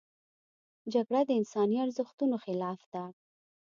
جګړه د انساني ارزښتونو خلاف ده